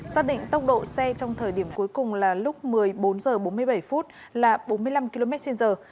xác định tốc độ xe trong thời điểm cuối cùng là lúc một mươi bốn h bốn mươi bảy là bốn mươi năm km trên giờ